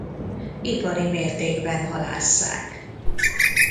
Ipari mértékben halásszák.